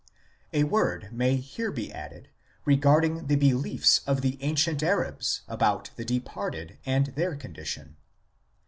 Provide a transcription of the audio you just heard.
A word may here be added regarding the beliefs of the ancient Arabs about the departed and their condition.